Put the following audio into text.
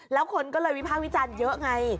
แล้วคนก็เลยวิพากษ์วิจารณ์เยอะไง